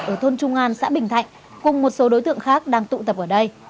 ở thôn trung an xã bình thạnh cùng một số đối tượng khác đang tụ tập ở đây